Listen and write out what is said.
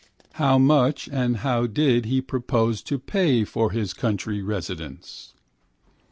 How much and how did he propose to pay for this country residence?